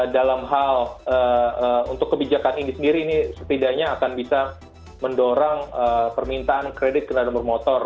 dalam hal untuk kebijakan ini sendiri ini setidaknya akan bisa mendorong permintaan kredit kendaraan bermotor